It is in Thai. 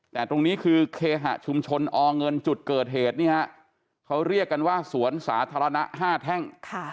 แต่ตรงนี้คือเคหะชุมชนอเงินจุดเกิดเหตุนี่ฮะเขาเรียกกันว่าสวนสาธารณะ๕แท่ง